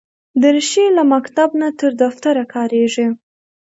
دریشي له مکتب نه تر دفتره کارېږي.